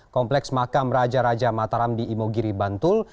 kompleks makam raja raja mataram di imogiri bantul